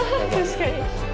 確かに。